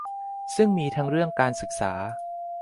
ซึ่งมีทั้งเรื่องการศึกษา